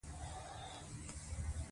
د زده کړې مور کورنۍ ته ثبات ورکوي.